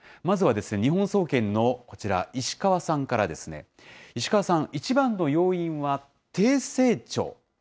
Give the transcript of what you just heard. まずは日本総研のこちら、石川さんから、石川さん、一番の要因は低成長。